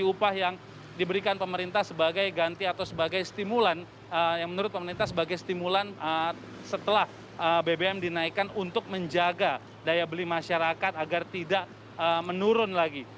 upah yang diberikan pemerintah sebagai ganti atau sebagai stimulan yang menurut pemerintah sebagai stimulan setelah bbm dinaikkan untuk menjaga daya beli masyarakat agar tidak menurun lagi